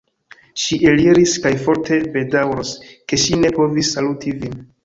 Ŝi eliris kaj forte bedaŭros, ke ŝi ne povis saluti vin.